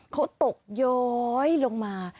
เขาตกย้อยลงมา